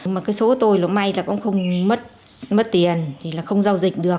mà số tôi may là không mất tiền không giao dịch được